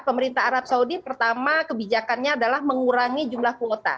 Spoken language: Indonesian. pemerintah arab saudi pertama kebijakannya adalah mengurangi jumlah kuota